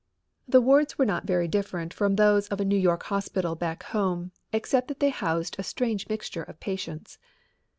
The wards were not very different from those of a New York hospital back home, except that they housed a strange mixture of patients.